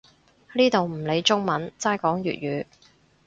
呢度唔理中文，齋講粵語